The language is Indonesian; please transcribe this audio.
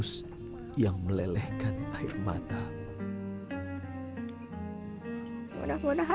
saya berdoa kepada bapak